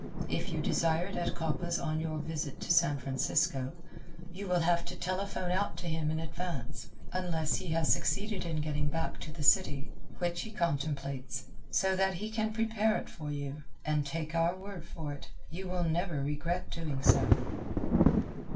If you desire it at Coppa's on your visit to San Francisco you will have to telephone out to him in advance (unless he has succeeded in getting back to the city, which he contemplates) so that he can prepare it for you, and, take our word for it, you will never regret doing so.